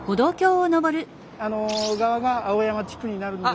あの側が青山地区になるんです。